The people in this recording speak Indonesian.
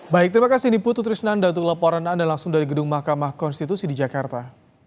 baik terima kasih niputu trisnanda untuk laporan anda langsung dari gedung mahkamah konstitusi di jakarta